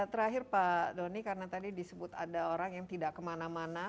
terakhir pak doni karena tadi disebut ada orang yang tidak kemana mana